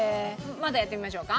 まだやってみましょうか。